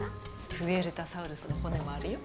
プエルタサウルスの骨もあるよ。